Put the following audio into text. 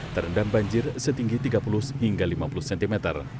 terendam banjir setinggi tiga puluh hingga lima puluh cm